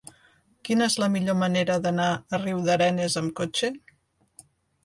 Quina és la millor manera d'anar a Riudarenes amb cotxe?